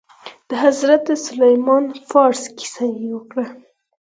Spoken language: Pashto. د حضرت سلمان فارس کيسه يې وکړه.